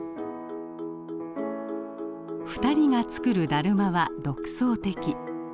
２人が作るだるまは独創的。